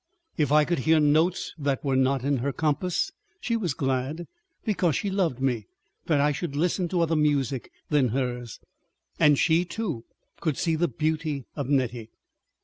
If I could hear notes that were not in her compass, she was glad, because she loved me, that I should listen to other music than hers. And she, too, could see the beauty of Nettie.